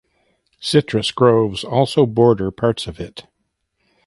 Citrus groves also border parts of it.